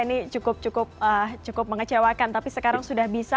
ini cukup mengecewakan tapi sekarang sudah bisa